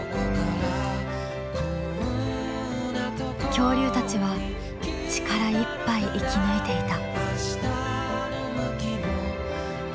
恐竜たちは力いっぱい生き抜いていた。